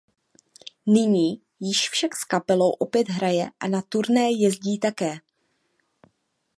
Nyní již však s kapelou opět hraje a na turné jezdí také.